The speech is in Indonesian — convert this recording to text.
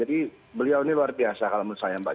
jadi beliau ini luar biasa kalau menurut saya mbak